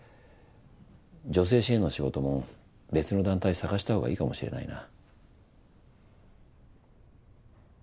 女性支援の仕事も別の団体探したほうがいいかもしれないな。